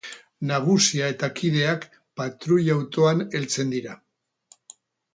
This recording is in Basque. Nagusia eta kideak patruila-autoan heltzen dira.